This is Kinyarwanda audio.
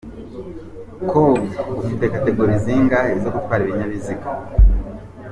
com : Ufite Categorie zingahe zo gutwara ibinyabiziga ?.